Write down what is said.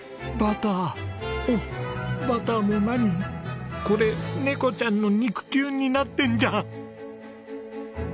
おっバターも何これネコちゃんの肉球になってんじゃん！